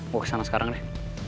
gue kesana sekarang deh